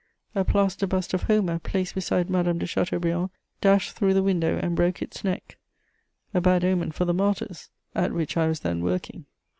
A plaster bust of Homer, placed beside Madame de Chateaubriand, dashed through the window and broke its neck: a bad omen for the Martyrs, at which I was then working.